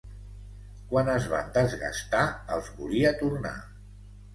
Quan es van desgastar, els volia tornar.